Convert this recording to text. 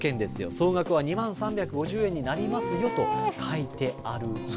総額は２万３５０円になりますよと書いてあるんです。